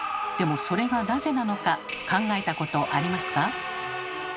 でもそれがなぜなのか考えたことありますか？